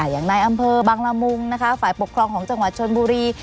อย่างในอำเภอบังละมุงนะคะฝ่ายปกครองของจังหวัดชนบุรี